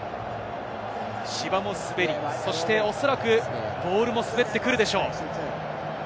芝も滑り、そしておそらくボールも滑ってくるでしょう。